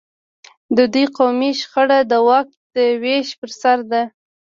د دوی قومي شخړه د واک د وېش پر سر ده.